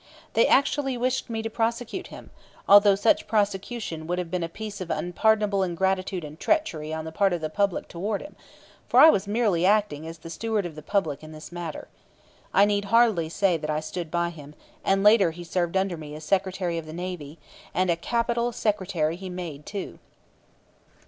They actually wished me to prosecute him, although such prosecution would have been a piece of unpardonable ingratitude and treachery on the part of the public toward him for I was merely acting as the steward of the public in this matter. I need hardly say that I stood by him; and later he served under me as Secretary of the Navy, and a capital Secretary he made too.